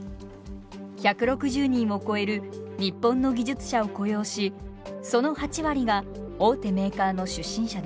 １６０人を超える日本の技術者を雇用しその８割が大手メーカーの出身者です。